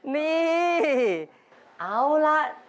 นี่เอาล่ะ